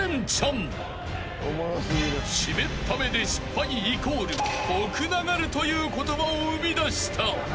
［湿った目で失敗イコール徳永るという言葉を生みだした］